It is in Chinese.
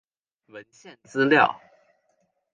文献资料